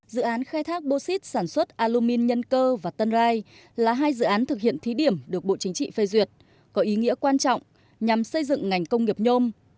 dự án khai thác bô xít sản xuất alumin nhân cơ và tân rai là hai dự án thực hiện thí điểm được bộ chính trị phê duyệt có ý nghĩa quan trọng nhằm xây dựng ngành công nghiệp nhôm